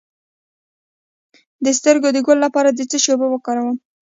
د سترګو د ګل لپاره د څه شي اوبه وکاروم؟